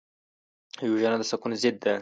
وژنه د سکون ضد ده